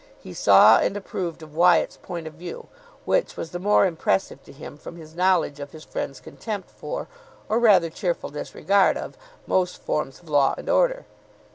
He saw and approved of Wyatt's point of view, which was the more impressive to him from his knowledge of his friend's contempt for, or, rather, cheerful disregard of, most forms of law and order.